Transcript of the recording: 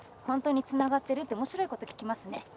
「本当につながってる？」って面白いこと聞きますね。